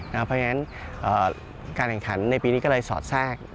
เพราะฉะนั้นการแข่งขันในปีนี้ก็เลยสอดแทรก